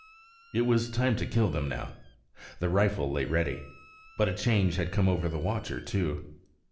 It was time to kill them now. The rifle lay ready. But a change had come over the watcher too.